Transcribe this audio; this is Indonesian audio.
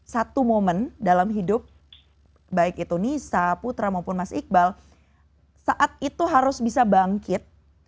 satu momen dalam hidup baik itu nisa putra maupun mas iqbal saat itu harus bisa bangkit